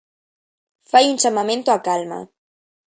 Fai un chamamento á calma.